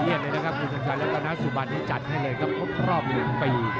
ได้เรียนเลยนะครับบินคนไทยแล้วก็ซูบันจัดให้กันพอพบกัน๑ปี